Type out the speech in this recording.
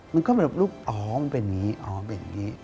มันก็แบบลูกอ๋อมันเป็นอย่างนี้อ๋อเป็นอย่างนี้